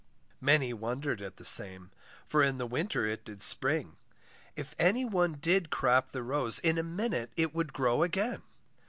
Many wonder'd at the same, For in the winter it did spring, If any one did crop the rose, In a moment it would grow again.